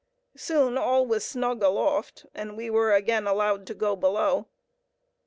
Soon all was snug aloft, and we were again allowed to go below.